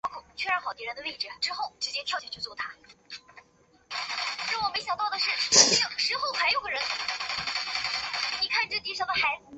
研究化学振荡对于解释自组织及混沌科学的规律具有十分重要的作用。